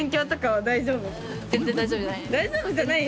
大丈夫じゃない？